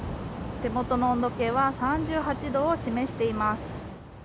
手元の温度計は３８度を示しています。